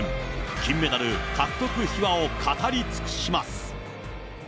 金メダル獲得秘話を語り尽くします。